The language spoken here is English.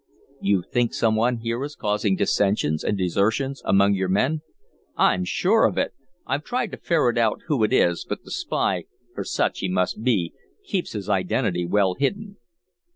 "You think some one here is causing dissensions and desertions among your men?" "I'm sure of it! I've tried to ferret out who it is, but the spy, for such he must be, keeps his identity well hidden."